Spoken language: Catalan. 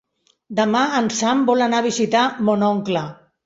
Demà en Sam vol anar a visitar mon oncle.